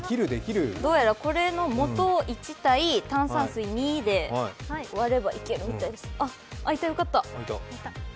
どうやら、これのもと１対炭酸水２で割ればいけるんじゃあ、開いてよかった。